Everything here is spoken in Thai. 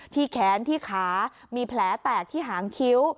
แขนที่ขามีแผลแตกที่หางคิ้ว